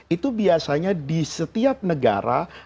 itu biasanya di setiap negara itu bisa saya pahami